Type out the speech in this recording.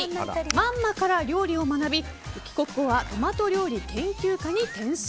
マンマから料理を学び、帰国後はトマト料理研究家に転身。